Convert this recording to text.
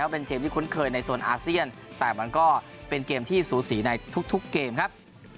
เป็นเกมที่คุ้นเคยในโซนอาเซียนแต่มันก็เป็นเกมที่สูสีในทุกเกมครับ